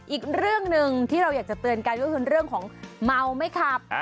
อีกเรื่องหนึ่งที่เราอยากจะเตือนกันก็คือเรื่องของเมาไม่ขับ